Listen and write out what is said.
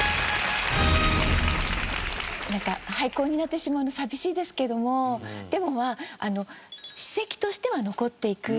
なんか廃校になってしまうの寂しいですけどもでも史跡としては残っていくんですもんね。